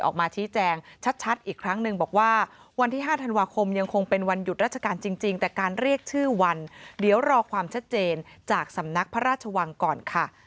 ออกมาชี้แจงชัดอีกครั้งหนึ่งบอกว่าวันที่๕ธันวาคมยังคงเป็นวันหยุดราชการจริงแต่การเรียกชื่อวันเดี๋ยวรอความชัดเจนจากสำนักพระราชวังก่อนค่ะ